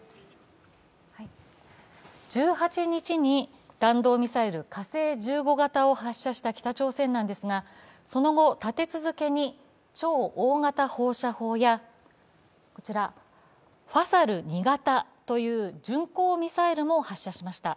１８日に弾道ミサイル、火星１５型を発射した北朝鮮ですが、その後、立て続けに超大型放射砲やファサル２型という巡航ミサイルも発射しました。